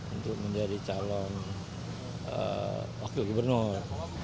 untuk menjadi calon wakil gubernur